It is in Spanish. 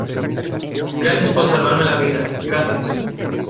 gracias por salvarme la vida, gracias.